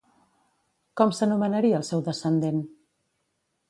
Com s'anomenaria el seu descendent?